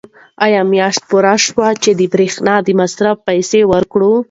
آیا میاشت پوره شوه چې د برېښنا د مصرف پیسې ورکړو؟